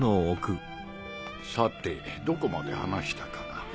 さてどこまで話したかな？